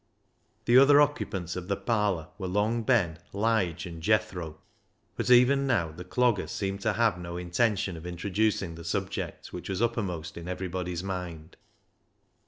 The other occupants of the parlour were Long Ben, Lige, and Jethro, but even now the Clogger seemed to have no intention of introducing the subject which was uppermost in everybody's mind.